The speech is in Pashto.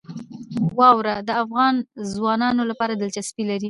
واوره د افغان ځوانانو لپاره دلچسپي لري.